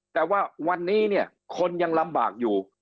แต่ว่าวันนี้เนี่ยคนยังลำบากอยู่